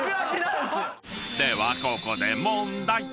ではここで問題］